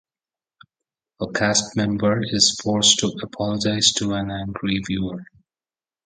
A cast member is forced to apologize to an angry viewer.